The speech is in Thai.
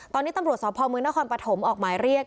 ตอนนี้ตำรวจสพมนครปฐมออกหมายเรียก